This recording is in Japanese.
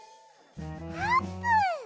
あーぷん！